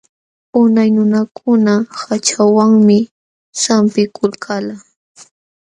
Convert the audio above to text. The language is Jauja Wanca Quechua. Unay nunakuna haćhawanmi sampikulkalqa.